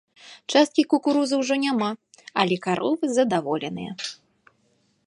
Часткі кукурузы ўжо няма, але каровы задаволеныя.